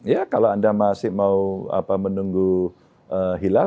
ya kalau anda masih mau menunggu hilal